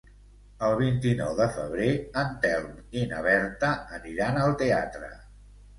El vint-i-nou de febrer en Telm i na Berta aniran al teatre.